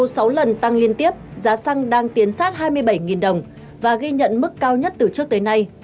sau sáu lần tăng liên tiếp giá xăng đang tiến sát hai mươi bảy đồng và ghi nhận mức cao nhất từ trước tới nay